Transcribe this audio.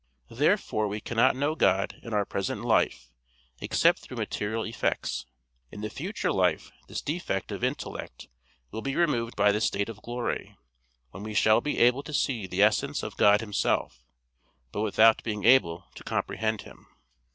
Therefore we cannot know God in our present life except through material effects. In the future life this defect of intellect will be removed by the state of glory, when we shall be able to see the Essence of God Himself, but without being able to comprehend Him.